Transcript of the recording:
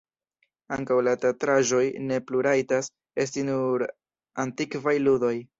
Ankaŭ la teatraĵoj ne plu rajtas esti nur antikvaj ludoj.